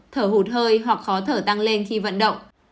thở hụt hơi hoặc khó thở tăng lên khi vận động